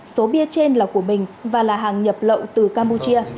số bia trên là của bình và là hàng nhập lậu từ campuchia